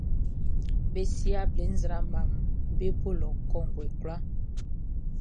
Be si able nzraamaʼm be bo lɔ kɔnguɛ kwlaa.